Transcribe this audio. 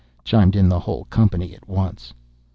chimed in the whole company at once.